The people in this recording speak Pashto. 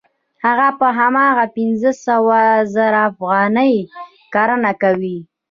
هغه په هماغه پنځه سوه زره افغانۍ کرنه کوي